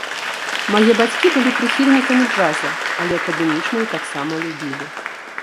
Мае бацькі былі прыхільнікамі джаза, але акадэмічную таксама любілі.